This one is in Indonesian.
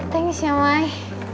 thanks ya mai